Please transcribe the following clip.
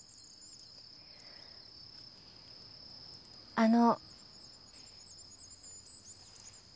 あの。